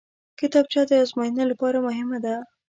کتابچه د ازموینې لپاره مهمه ده